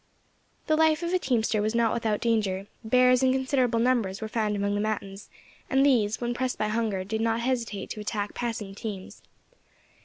The life of a teamster was not without danger: bears in considerable numbers were found among the mountains, and these, when pressed by hunger, did not hesitate to attack passing teams.